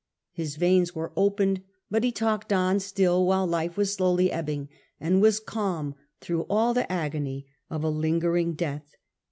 His veins were opened; but he talked on still while life was slowly ebbing, and was calm through all the agony of lingering death.